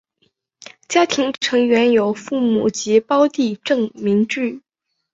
家庭成员有父母及胞弟郑民基。